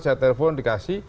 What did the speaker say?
saya telepon dikasih